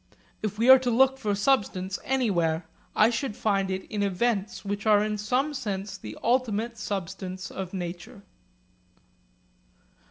If we are to look for substance anywhere, I should find it in events which are in some sense the ultimate substance of nature.